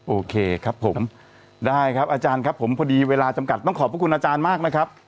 โอเคครับผมได้ครับอาจารย์ครับผมพอดีเวลาจำกัดต้องขอบพระคุณอาจารย์มากนะครับ